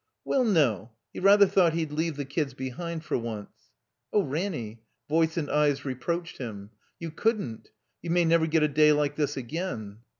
Well, no, he rather thought he'd leave the kids behind for once. "Oh, Ranny!" Voice and eyes reproached him. "You cotddn't! You may never get a day like this again."